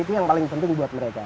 itu yang paling penting buat mereka